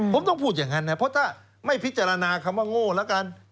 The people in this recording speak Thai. ผมต้องพูดอย่างนั้นนะเพราะถ้าไม่พิจารณาคำว่าโง่แล้วกัน